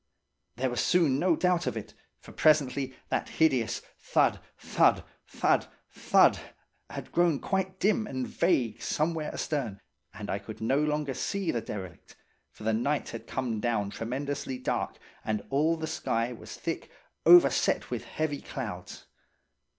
There was soon no doubt of it, for presently that hideous thud, thud, thud, thud had grown quite dim and vague somewhere astern and I could no longer see the derelict, for the night had come down tremendously dark and all the sky was thick, overset with heavy clouds.